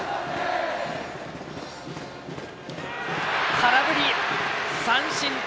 空振り三振！